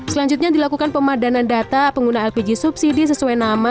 selanjutnya dilakukan pemadanan data pengguna lpg subsidi sesuai nama